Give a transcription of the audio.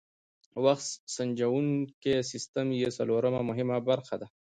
وخت سنجوونکی سیسټم یې څلورمه مهمه برخه ده.